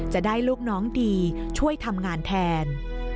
จะได้ลูกน้องดีช่วยทำงานแทน